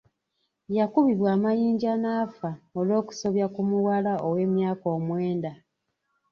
Yakubibwa amayinja n'afa olw'okusobya ku muwala ow'emyaka omwenda.